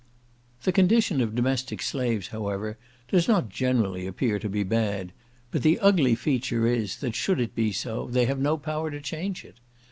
The condition of domestic slaves, however, does not generally appear to be bad; but the ugly feature is, that should it be so, they have no power to change it.